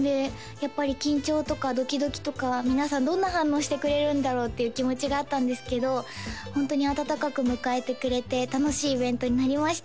やっぱり緊張とかドキドキとか皆さんどんな反応してくれるんだろうっていう気持ちがあったんですけどホントに温かく迎えてくれて楽しいイベントになりました